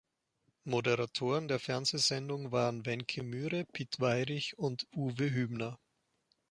Moderatoren der Fernsehsendung waren Wencke Myhre, Pit Weyrich und Uwe Hübner.